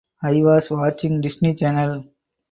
I was watching Disney Channel.